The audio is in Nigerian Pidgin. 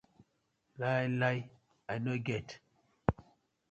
Lai lai I no get.